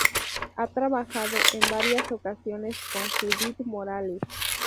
Ha trabajado en varias ocasiones con Judit Morales.